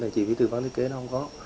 là chi phí thư vấn thiết kế nó không có